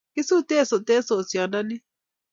Kisutee sotet sosyondonni